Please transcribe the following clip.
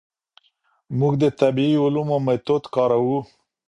موږ د طبیعي علومو میتود کاروو.